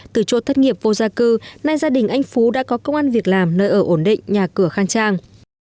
từ chốt thất nghiệp vô gia cư nay gia đình anh phú đã có công an việc làm nơi ở ổn định nhà cửa khang trang